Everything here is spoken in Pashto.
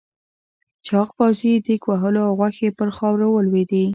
چاغ پوځي دېگ ووهلو او غوښې پر خاورو ولوېدې.